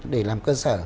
để làm cơ sở